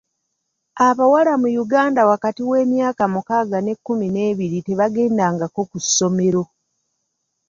Abawala mu Uganda wakati w'emyaka mukaaga n'ekkumi n'ebiri tebagendangako ku ssomero.